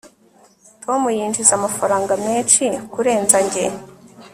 tom yinjiza amafaranga menshi kurenza njye